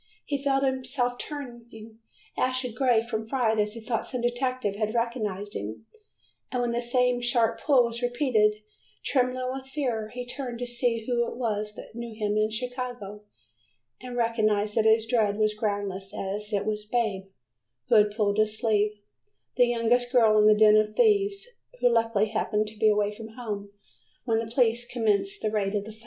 He felt himself turning ashen gray from fright as he thought some detective had recognized him, and when the same sharp pull was repeated, trembling with fear, he turned to see who it was that knew him in Chicago, and recognized that his dread was groundless as it was "Babe" who had pulled his sleeve, the youngest girl in the den of the thieves, who luckily happened to be away from home when the police commenced the raid of the flat.